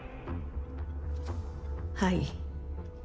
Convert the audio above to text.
はい。